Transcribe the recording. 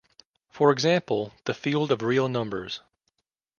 For example, the field of real numbers.